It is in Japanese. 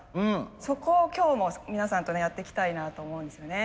そこを今日皆さんとやっていきたいなと思うんですね。